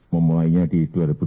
memulainya di dua ribu dua puluh